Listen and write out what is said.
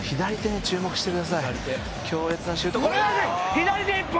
左手１本！」